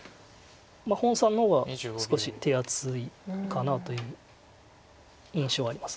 洪さんの方が少し手厚いかなという印象はあります。